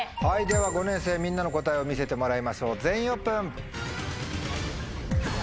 では５年生みんなの答えを見せてもらいましょう全員オープン。